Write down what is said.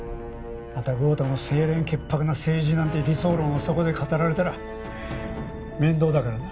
また豪太の清廉潔白な政治なんて理想論をそこで語られたら面倒だからな。